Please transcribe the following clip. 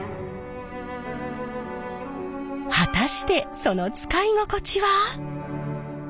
果たしてその使い心地は？